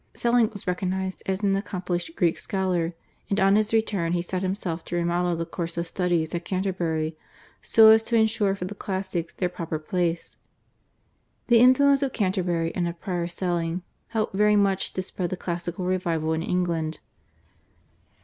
Selling was recognised as an accomplished Greek scholar, and on his return he set himself to remodel the course of studies at Canterbury so as to ensure for the classics their proper place. The influence of Canterbury and of Prior Selling helped very much to spread the classical revival in England.